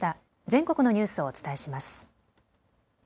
全国のニュースをお伝えします。